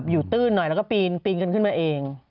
ตื้นหน่อยแล้วก็ปีนกันขึ้นมาเอง